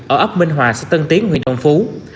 ở ấp minh hòa xã tân tiến huyện đồng phú